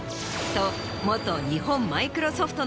と。